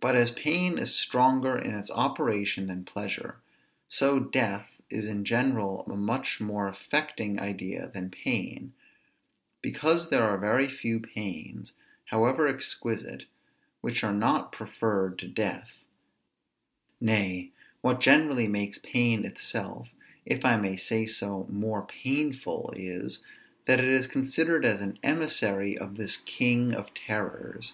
But as pain is stronger in its operation than pleasure, so death is in general a much more affecting idea than pain; because there are very few pains, however exquisite, which are not preferred to death: nay, what generally makes pain itself, if I may say so, more painful, is, that it is considered as an emissary of this king of terrors.